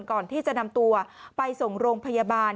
ก่อนที่จะนำตัวไปส่งโรงพยาบาล